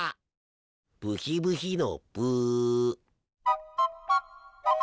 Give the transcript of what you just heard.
ブヒブヒのブ。